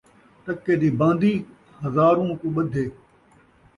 ٹکے دی باندی، ہزاروں کوں ٻدھے